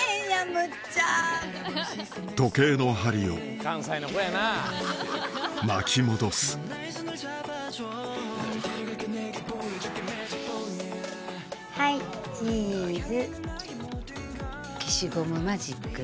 時計の針を巻き戻すはいチーズ。